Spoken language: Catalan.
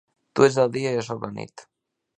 Tu ets el dia i jo sóc la nit